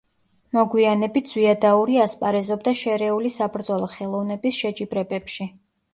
მოგვიანებით ზვიადაური ასპარეზობდა შერეული საბრძოლო ხელოვნების შეჯიბრებებში.